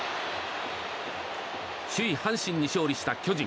首位、阪神に勝利した巨人。